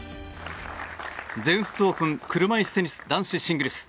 全仏オープン車いすテニス、男子シングルス。